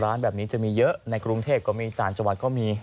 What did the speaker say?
ร้านแบบนี้จะมีเยอะในกรุงเทพก็มีต่างจังหวัดก็มี